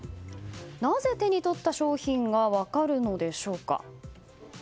なぜ手に取った商品が分かるのでしょうか？